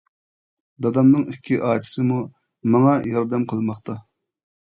دادامنىڭ ئىككى ئاچىسىمۇ ماڭا ياردەم قىلماقتا.